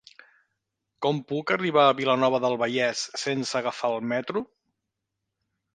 Com puc arribar a Vilanova del Vallès sense agafar el metro?